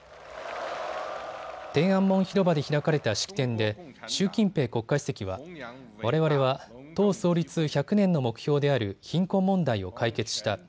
天安門広場で開かれた式典で習近平国家主席はわれわれは党創立１００年の目標である貧困問題を解決した。